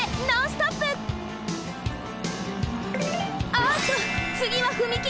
あっとつぎは踏切！